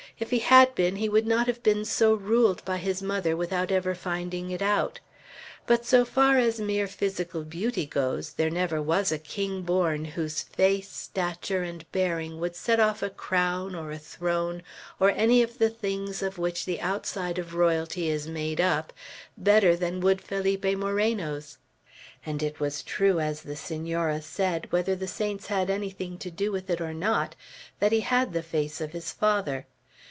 If he had been, he would not have been so ruled by his mother without ever finding it out. But so far as mere physical beauty goes, there never was a king born, whose face, stature, and bearing would set off a crown or a throne, or any of the things of which the outside of royalty is made up, better than would Felipe Moreno's. And it was true, as the Senora said, whether the saints had anything to do with it or not, that he had the face of his father.